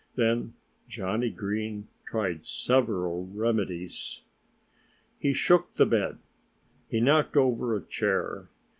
Then Johnnie Green tried several remedies. He shook the bed. He knocked over a chair.